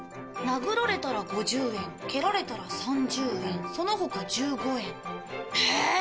「殴られたら５０円蹴られたら３０円その他１５円」へえ！